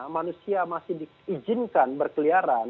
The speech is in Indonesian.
manusia masih diizinkan berkeliaran